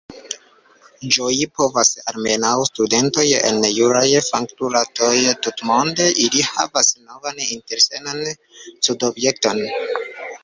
Ĝoji povas almenaŭ studentoj en juraj fakultatoj tutmonde: ili havas novan interesan studobjekton.